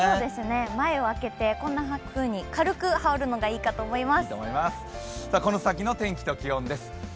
前を開けてこんなふうに軽くはおるのがいいと思います。